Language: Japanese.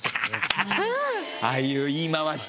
ああいう言い回しとか？